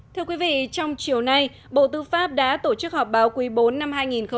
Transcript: thưa quý vị trong chiều nay bộ tư pháp đã tổ chức họp báo quý bốn năm hai nghìn hai mươi